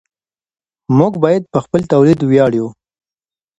موږ باید په خپل تولید ویاړو.